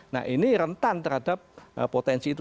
nah ini rentan terhadap potensi itu